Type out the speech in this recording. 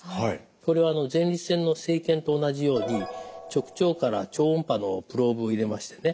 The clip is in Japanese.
これは前立腺の生検と同じように直腸から超音波のプローブを入れましてね